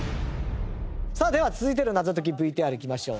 さあでは続いての謎解きＶＴＲいきましょう。